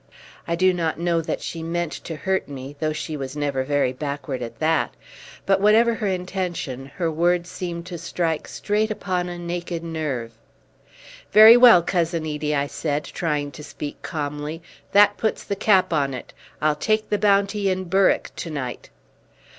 I do not know that she meant to hurt me, though she was never very backward at that; but whatever her intention, her words seemed to strike straight upon a naked nerve. "Very well, Cousin Edie," I said, trying to speak calmly, "that puts the cap on it. I'll take the bounty in Berwick to night."